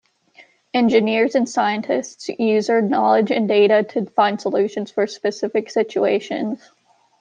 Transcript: Engineers and scientists use their knowledge and data to find solutions for specific situations.